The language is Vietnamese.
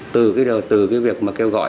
từ cái việc mà kêu gọi